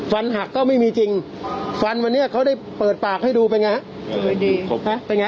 หักก็ไม่มีจริงฟันวันนี้เขาได้เปิดปากให้ดูเป็นไงฮะ